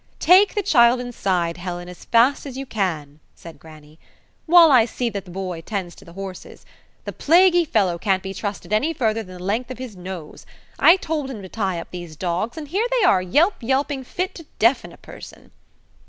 "Take the child inside, Helen, as fast as you can," said grannie, "while I see that the boy attends to the horses. The plaguey fellow can't be trusted any further than the length of his nose. I told him to tie up these dogs, and here they are yelp yelping fit to deafen a person."